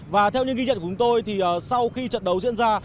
và theo những ghi nhận của chúng tôi thì sau khi trận đấu diễn ra